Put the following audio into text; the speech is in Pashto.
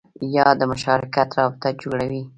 یا د مشارکت رابطه جوړوي